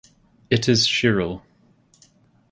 It is chiral.